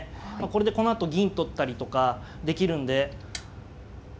これでこのあと銀取ったりとかできるんで。